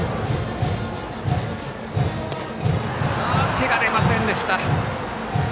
手が出ませんでした。